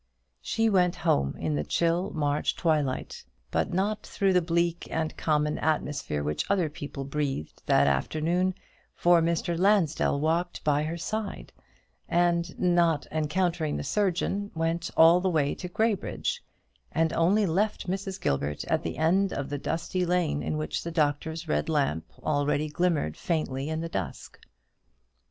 She went home in the chill March twilight; but not through the bleak and common atmosphere which other people breathed that afternoon; for Mr. Lansdell walked by her side, and, not encountering the surgeon, went all the way to Graybridge, and only left Mrs. Gilbert at the end of the dusty lane in which the doctor's red lamp already glimmered faintly in the dusk.